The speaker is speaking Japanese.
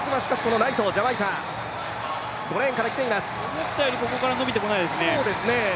思ったよりここから伸びてこないですね。